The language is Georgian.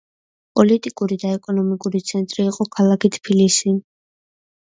პოლიტიკური და ეკონომიკური ცენტრი იყო ქალაქი თბილისი.